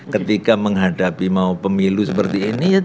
ketika menghadapi mau pemilu seperti ini